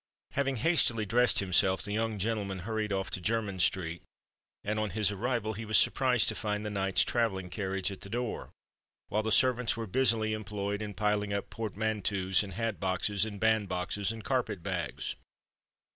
Having hastily dressed himself, the young gentleman hurried off to Jermyn Street: and, on his arrival, he was surprised to find the knight's travelling carriage at the door, while the servants were busily employed in piling up portmanteaus, and hat boxes, and bandboxes, and carpet bags.